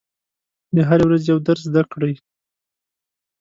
د هرې ورځې یو درس زده کړئ.